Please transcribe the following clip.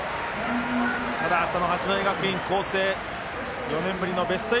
ただ八戸学院光星４年ぶりのベスト４。